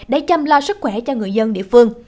để chăm lo sức khỏe cho người dân địa phương